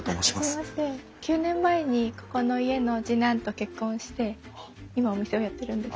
９年前にここの家の次男と結婚して今お店をやってるんです。